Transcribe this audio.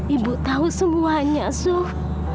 ibu tau semuanya suf